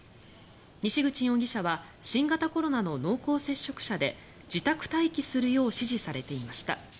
西口容疑者は新型コロナの濃厚接触者で自宅待機するよう指示されていました。